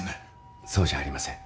そうじゃありません。